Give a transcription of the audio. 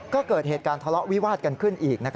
ก็เกิดเหตุการณ์ทะเลาะวิวาดกันขึ้นอีก